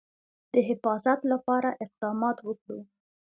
د حفاظت لپاره اقدامات وکړو.